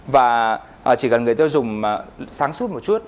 và chỉ cần người tiêu dùng sáng suốt một chút